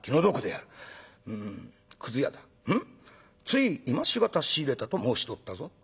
つい今し方仕入れたと申しておったぞ。